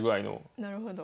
なるほど。